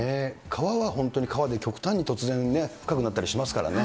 川は本当に川で、極端に突然ね、深くなったりしますからね。